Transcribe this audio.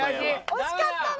惜しかったな！